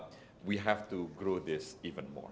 jadi kita harus mengembangkan lebih banyak